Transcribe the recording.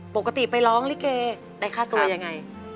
ปกติไปร้องลิเกได้ค่าตัวยังไง